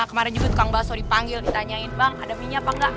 kemaren juga tukang baso dipanggil ditanyain bang ada minyak apa enggak